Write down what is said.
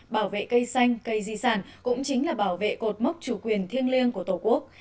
bảo vệ cây xanh cây di sản cũng chính là bảo vệ cột mốc chủ quyền thiêng liêng của tổ quốc